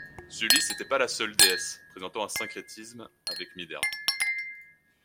Sulis n'était pas la seule déesse présentant un syncrétisme avec Minerve.